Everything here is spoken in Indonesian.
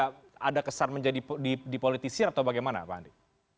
ada kesan menjadi dipolitisir atau bagaimana pak andi